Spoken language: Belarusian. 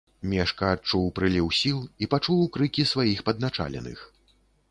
Мешка адчуў прыліў сіл і пачуў крыкі сваіх падначаленых.